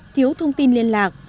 thiếu thông tin liên lạc